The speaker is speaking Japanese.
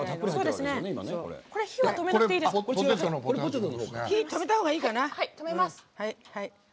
火は止めたほうがいいかな。